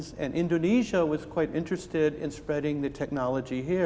dan indonesia sangat berminat dengan menyebarkan teknologi di sini